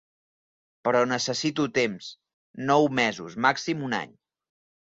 Però necessito temps: nou mesos, màxim un any.